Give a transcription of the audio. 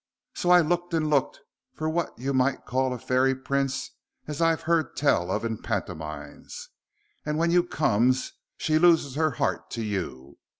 So I looked and looked for what you might call a fairy prince as I've heard tell of in pantomimes, and when you comes she loses her heart to you.